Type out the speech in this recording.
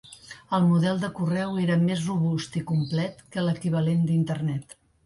El model de correu era més robust i complet que l'equivalent d'Internet.